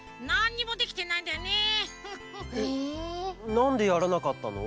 なんでやらなかったの？